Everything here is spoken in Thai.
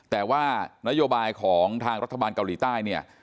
แต่ว่านโยบายของทางรัฐบาลเกาหลีใต้เนี่ย